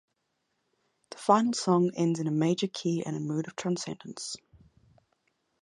The final song ends in a major key and a mood of transcendence.